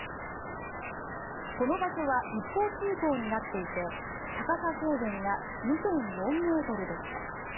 この場所は一方通行になっていて高さ制限が２．４ｍでした。